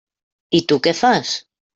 I tu què fas?